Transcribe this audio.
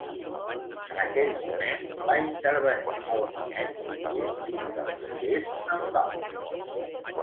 En aquell moment, va intervenir el tinent, dient-li que els deixés en pau.